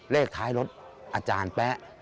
เลขท้ายรถอาจารย์แป๊ะ